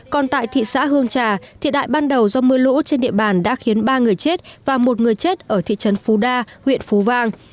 còn tại thị xã hương trà thiệt đại ban đầu do mưa lũ trên địa bàn đã khiến ba người chết và một người chết ở thị trấn phú đa huyện phú vang